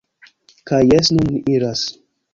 Kaj jes nun ni iras